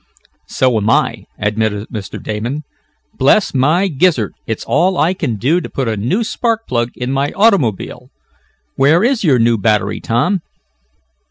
"So am I," admitted Mr. Damon. "Bless my gizzard, it's all I can do to put a new spark plug in my automobile. Where is your new battery, Tom?"